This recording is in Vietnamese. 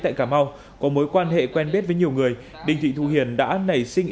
tại cà mau có mối quan hệ quen biết với nhiều người đình thị thu hiền đã nảy sinh